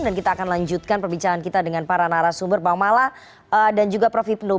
dan kita akan lanjutkan perbincangan kita dengan para narasumber bang mala dan juga prof ibn lubang